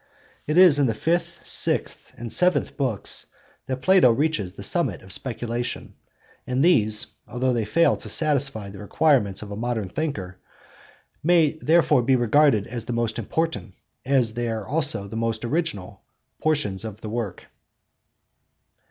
It is in the fifth, sixth, and seventh books that Plato reaches the 'summit of speculation,' and these, although they fail to satisfy the requirements of a modern thinker, may therefore be regarded as the most important, as they are also the most original, portions of the work.